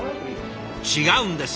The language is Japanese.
違うんです